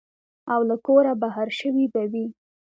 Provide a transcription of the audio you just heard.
او له کوره بهر شوي به وي.